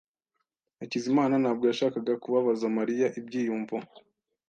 Hakizimana ntabwo yashakaga kubabaza Mariya ibyiyumvo.